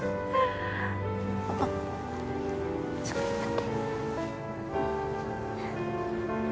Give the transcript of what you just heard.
あっちょっと待って。